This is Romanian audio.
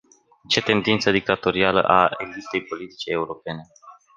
Ce tendință dictatorială a elitei politice europene!